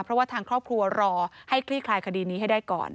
เพราะว่าทางครอบครัวรอให้คลี่คลายคดีนี้ให้ได้ก่อน